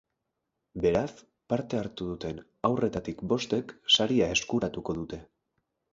Beraz, parte hartu duten haurretatik bostek saria eskuratuko dute.